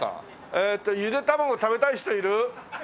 えっとゆで卵食べたい人いる？